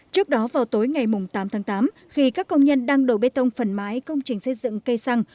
trước đó vào tối ngày tám tháng tám khi các công nhân đang đổ bê tông phần mái công trình xây dựng cây xăng